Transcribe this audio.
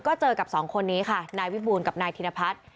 ก็เจอกับสองคนนี้ค่ะนายวิบูลกับนายธินพัฒน์